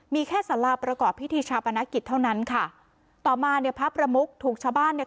มีแค่สาราประกอบพิธีชาปนกิจเท่านั้นค่ะต่อมาเนี่ยพระประมุกถูกชาวบ้านเนี่ย